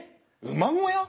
馬小屋？